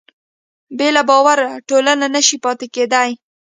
بې له باور ټولنه نهشي پاتې کېدی.